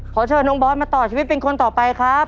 ขอเชิญน้องบอสมาต่อชีวิตเป็นคนต่อไปครับ